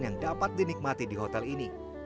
yang dapat dinikmati di hotel ini